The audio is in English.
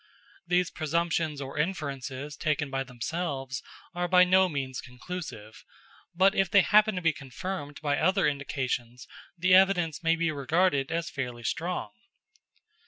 These presumptions or inferences, taken by themselves, are by no means conclusive; but if they happen to be confirmed by other indications, the evidence may be regarded as fairly strong.